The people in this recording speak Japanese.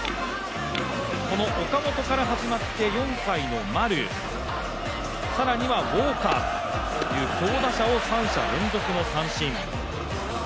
この岡本から始まって４回の丸、更にはウォーカーという強打者を連続三振。